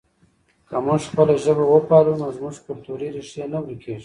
که موږ خپله ژبه وپالو نو زموږ کلتوري ریښې نه ورکېږي.